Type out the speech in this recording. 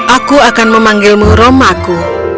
aku akan memanggilmu romaku